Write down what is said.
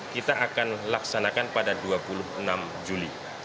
kita akan laksanakan pada dua puluh enam juli